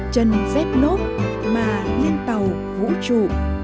chân dép lốp mà liên tàu vũ trụ